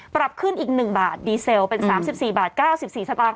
ปรับขึ้นอีก๑บาทดีเซลเป็น๓๔บาท๙๔สตางค